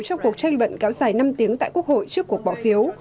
trong cuộc tranh luận kéo dài năm tiếng tại quốc hội trước cuộc bỏ phiếu